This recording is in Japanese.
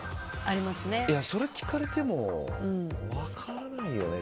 それ聞かれても分からないよね。